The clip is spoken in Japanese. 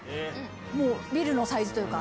もうビルのサイズというか、